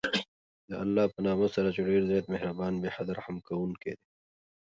د الله په نامه سره چې ډېر زیات مهربان، بې حده رحم كوونكى دی.